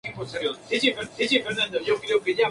Why was I chosen?